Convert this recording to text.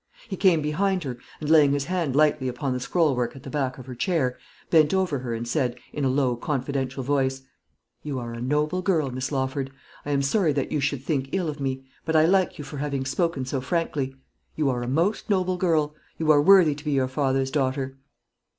He came behind her, and laying his hand lightly upon the scroll work at the back of her chair, bent over her, and said, in a low confidential voice, "You are a noble girl, Miss Lawford. I am sorry that you should think ill of me: but I like you for having spoken so frankly. You are a most noble girl. You are worthy to be your father's daughter."